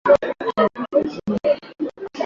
Kilo moja ya mchele unatosha pishi la watu nne